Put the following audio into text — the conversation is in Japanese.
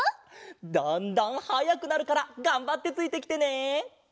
だんだんはやくなるからがんばってついてきてね！